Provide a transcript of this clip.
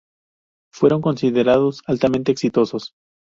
Fueron "considerados altamente exitosos".